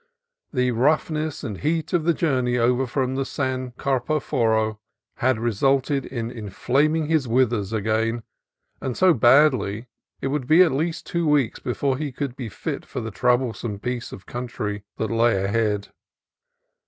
The rough ness and heat of the journey over from the San Carp6foro had resulted in inflaming his withers again, and so badly that it would be at least two weeks before he could be fit for the troublesome piece of country that lay ahead.